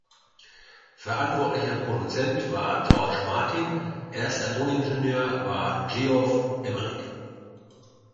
Verantwortlicher Produzent war George Martin, erster Toningenieur war Geoff Emerick.